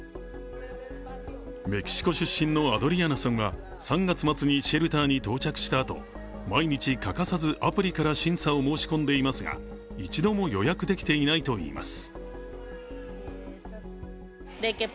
メキシコ出身のアドリアナさんは３月末にシェルターに到着したあと毎日欠かさずアプリから審査を申し込んでいますが、一度も予約できていないといいます。